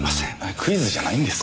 クイズじゃないんですか。